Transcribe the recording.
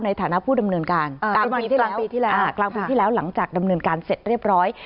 ในฐานะผู้ดำเนินการกลางปีที่แล้วหลังจากดำเนินการเสร็จเรียบร้อย